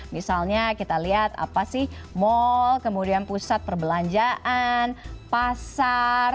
misalnya kita lihat apa sih mall kemudian pusat perbelanjaan pasar